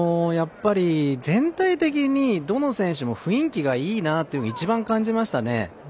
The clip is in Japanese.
全体的に、どの選手も雰囲気がいいなというのが一番感じましたね。